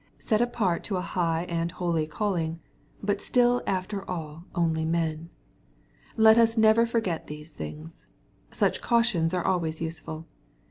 Bet apart to a high and holy calling, but still ufltei all only men. Let us never forget these things. Such cautions are always useful.